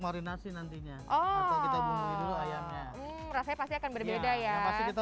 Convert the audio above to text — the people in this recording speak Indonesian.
minas nantinya oh mata kita bunuh dulu ayamnya rasa yang pasti akan berbeda ya pasti kita